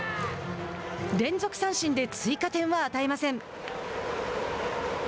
連続三振で追加点は与えません。